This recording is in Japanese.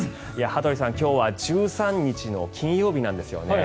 羽鳥さん、今日は１３日の金曜日なんですよね。